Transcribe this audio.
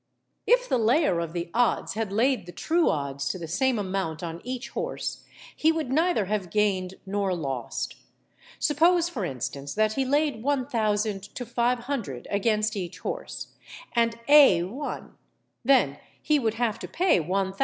If the layer of the odds had laid the true odds to the same amount on each horse, he would neither have gained nor lost. Suppose, for instance, that he laid 1000_l._ to 500_l._ against each horse, and A won; then he would have to pay 1000_l.